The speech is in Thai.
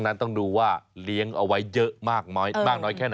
พี่ทศพรบอกว่าเดือนนึงนี้นะ